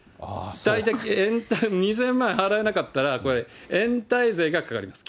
大体延滞、２０００万円払えなかったら、これ、延滞税がかかります。